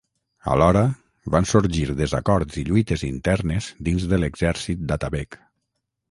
Alhora, van sorgir desacords i lluites internes dins de l'exèrcit d'Atabeg.